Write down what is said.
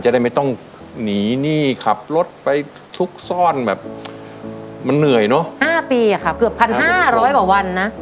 จะได้ไม่ต้องหนีหนี้ขับรถไปทุกซ่อนแบบมันเหนื่อยเนอะ๕ปีอะครับเกือบ๑๕๐๐กว่าวันนะ